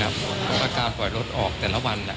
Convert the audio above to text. เพราะว่าการปล่อยรถออกแต่ละวัน